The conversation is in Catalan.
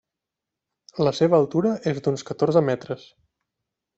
La seva altura és d'uns catorze metres.